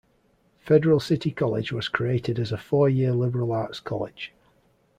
Federal City College was created as a four-year liberal arts college.